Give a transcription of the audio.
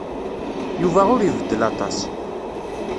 Yuba ur ibeddel aṭas.